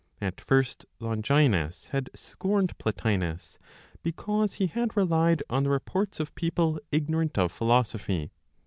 At first Longinus had scorned Plotinos, because he had relied on the reports of people ignorant (of philosophy).